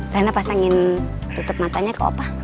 rena pasangin tutup matanya ke opa